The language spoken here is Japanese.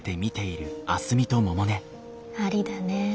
ありだね。